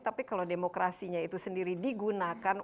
tapi kalau demokrasinya itu sendiri digunakan